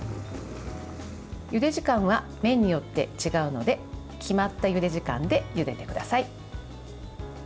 ゆで時間は麺によって違うので決まったゆで時間でゆでてください。